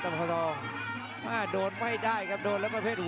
เอ้าถือด้วยกับปั้น